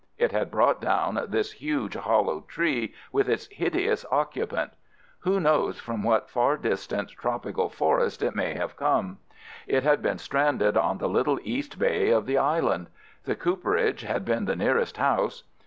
It had brought down this huge hollow tree with its hideous occupant. Who knows from what far distant tropical forest it may have come. It had been stranded on the little east bay of the island. The cooperage had been the nearest house.